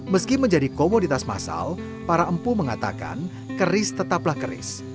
meski menjadi komoditas masal para empu mengatakan keris tetaplah keris